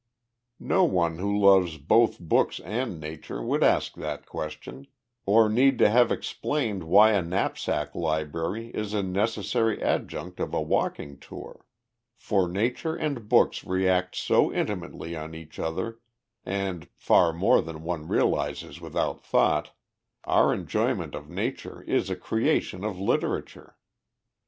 No one who loves both books and Nature would ask that question, or need to have explained why a knapsack library is a necessary adjunct of a walking tour. For Nature and books react so intimately on each other, and, far more than one realizes without thought, our enjoyment of Nature is a creation of literature.